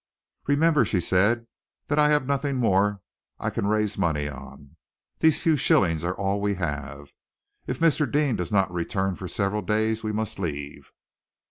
"Remember," she said, "that I have nothing more I can raise money on. These few shillings are all we have. If Mr. Deane does not return for several days, we must leave."